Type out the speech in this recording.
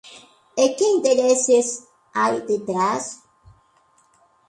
¿E que intereses hai detrás?